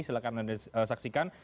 silahkan anda saksikan